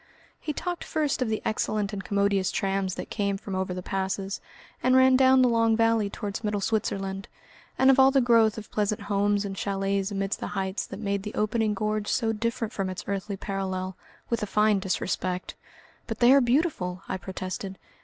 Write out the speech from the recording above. He talked first of the excellent and commodious trams that came from over the passes, and ran down the long valley towards middle Switzerland, and of all the growth of pleasant homes and chalets amidst the heights that made the opening gorge so different from its earthly parallel, with a fine disrespect. "But they are beautiful," I protested.